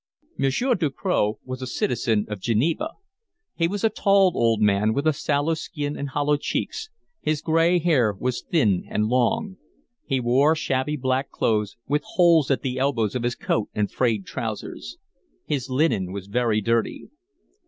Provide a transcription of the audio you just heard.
Monsieur Ducroz was a citizen of Geneva. He was a tall old man, with a sallow skin and hollow cheeks; his gray hair was thin and long. He wore shabby black clothes, with holes at the elbows of his coat and frayed trousers. His linen was very dirty.